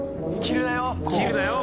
切るなよ